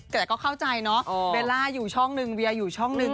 แต่ก็เข้าใจเนาะเบลล่าอยู่ช่องหนึ่งเวียอยู่ช่องหนึ่ง